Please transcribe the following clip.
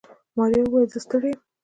ماريا وويل زه ستړې يم.